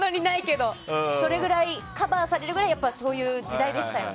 それぐらいカバーされるぐらいの時代でしたよね。